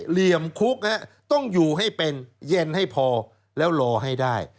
เหลี่ยมคุกต้องอยู่ให้เป็นเย็นให้พอแล้วรอให้ได้